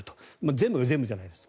全部が全部じゃないです。